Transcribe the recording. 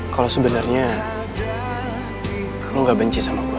kalau sebenarnya lo gak benci sama gue